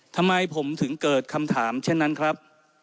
ทำไมผมถึงเกิดคำถามเช่นนั้นครับ